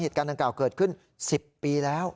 เหตุการณ์ดังกล่าวเกิดขึ้น๑๐ปีแล้ว